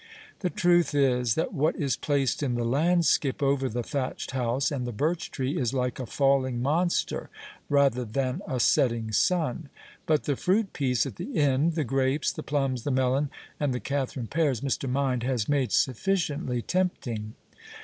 The truth is, that what is placed in the landskip over the thatched house, and the birch tree, is like a falling monster rather than a setting sun; but the fruit piece at the end, the grapes, the plums, the melon, and the Catharine pears, Mr. Mynde has made sufficiently tempting.